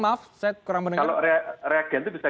kalau reagen itu bisa